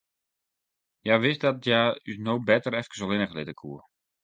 Hja wist dat hja ús no better efkes allinnich litte koe.